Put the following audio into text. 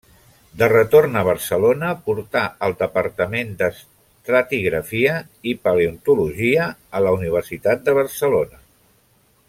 De retorn a Barcelona, portà el Departament d'Estratigrafia i Paleontologia a la Universitat de Barcelona.